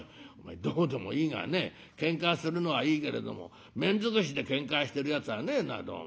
どうでもいいがねけんかするのはいいけれども面尽くしでけんかしてるやつはねえなどうも。